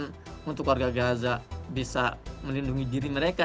jadi kita berharap untuk warga gaza bisa melindungi diri mereka